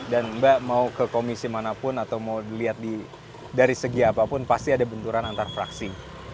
dan mbak mau ke komisi manapun atau mau dilihat dari segi apapun pasti ada benturan antar fraksi